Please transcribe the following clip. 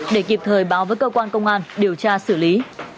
để kịp thời báo với cơ quan công an điều tra xử lý